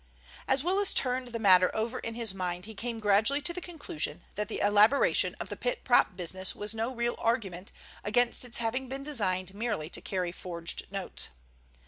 As Willis turned the matter over in his mind, he came gradually to the conclusion that the elaboration of the pit prop business was no real argument against its having been designed merely to carry forged notes.